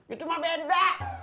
itu mah beda